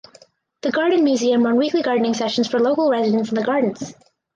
The Garden Museum run weekly gardening sessions for local residents in the gardens.